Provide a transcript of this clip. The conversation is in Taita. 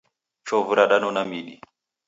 Chovu radanona midi